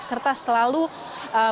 serta selalu berhubungan